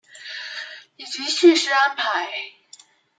以及叙事安排